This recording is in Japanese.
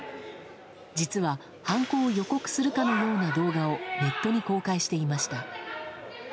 実は、犯行を予告するかのような動画をネットに公開していました。